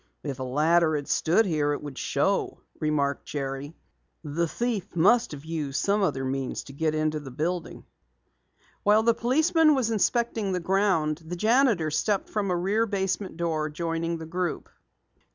"If a ladder had stood here it would show," remarked Jerry. "The thief must have used some other means of getting into the building." While the policeman was inspecting the ground, the janitor stepped from a rear basement door, joining the group.